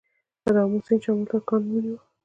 د امو سیند شمال ترکانو ونیو